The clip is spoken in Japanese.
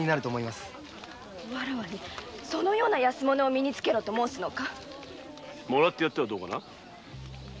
わらわにそのような安物を身につけろと申すのかもらってやったらどうかな。